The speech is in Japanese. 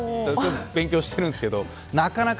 勉強しているんですけどなかなか。